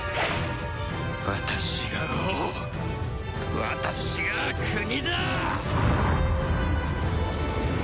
私が王私が国だ！